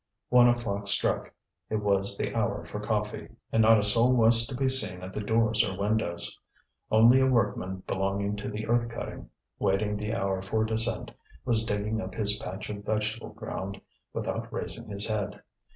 One o'clock struck; it was the hour for coffee, and not a soul was to be seen at the doors or windows. Only a workman belonging to the earth cutting, waiting the hour for descent, was digging up his patch of vegetable ground without raising his head.